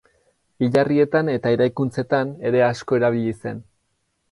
Hilarrietan eta eraikuntzetan ere asko erabili zen.